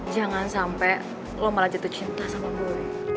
jangan sampai lo malah jatuh cinta sama gue